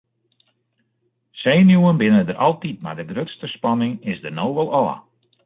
Senuwen binne der altyd mar de grutste spanning is der no wol ôf.